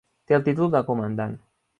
Té el títol de comandant.